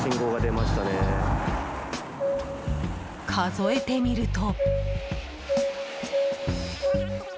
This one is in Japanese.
数えてみると。